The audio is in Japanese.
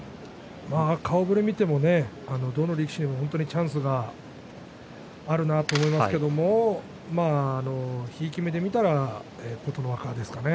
顔ぶれを見てもどの力士もチャンスがあるなと思いますけれどもひいき目で見たら琴ノ若ですかね。